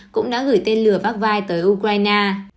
cũng đã gửi tên lửa vác vai tới ukraine